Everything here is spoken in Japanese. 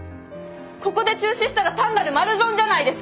ここで中止したら単なる丸損じゃないですか！